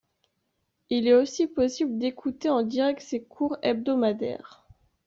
Il est aussi possible d’écouter en direct ses cours hebdomadaires.